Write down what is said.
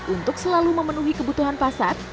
untuk selalu memenuhi kebutuhan pasar